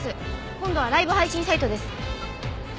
今度はライブ配信サイトです。